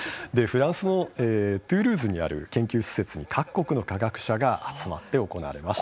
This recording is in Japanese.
フランスのトゥールーズにある研究施設に各国の科学者が集まって行われました。